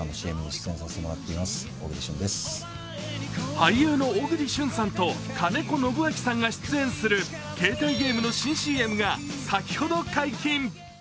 俳優の小栗旬さんと金子ノブアキさんが出演する携帯ゲームの新ＣＭが先ほど解禁。